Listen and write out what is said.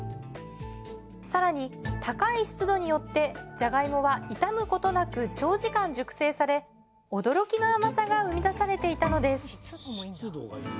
更に高い湿度によってじゃがいもは傷むことなく長時間熟成され驚きの甘さが生み出されていたのです